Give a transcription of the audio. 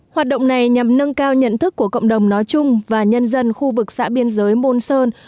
hoạt động này nhằm nâng cao nhận thức của cộng đồng nói chung và nhân dân khu vực xã biên giới môn sơn